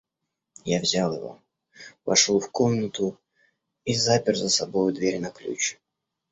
Я взял его, вошел в комнату и запер за собою дверь на ключ.